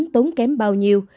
tốn kém bao nhiêu